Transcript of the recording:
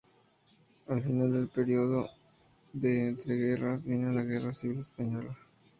Al final del período de entreguerras vino la Guerra Civil Española.